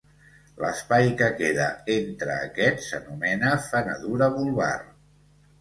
L'espai que queda entre aquest s'anomena fenedura vulvar.